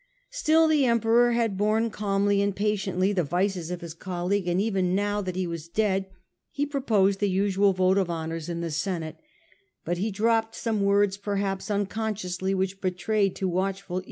Still the Emperor had borne calmly and patiently the vices of his colleague, and even now that he was dead he proposed the usual vote of honours in the Thence Senate ; but he dropped some words, perhaps forth M. unconsciously, which betrayed to watchf^ul re?